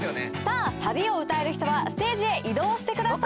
さあサビを歌える人はステージへ移動してください。